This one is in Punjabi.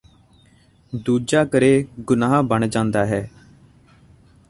ਦੂਜਾ ਕਰੇ ਗੁਨਾਅ ਬਣ ਜਾਂਦਾ ਹੈ